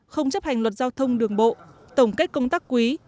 không chấp hành luật giao thông đường bộ tổng kết công tác quý